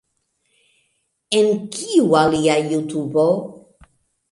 En kiu alia jutubo?